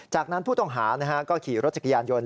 จากนั้นผู้ต้องหาก็ขี่รถจักรยานยนต์